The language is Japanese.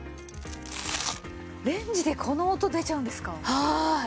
レンジでこの音出ちゃうんですか？